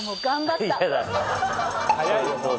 早いよ。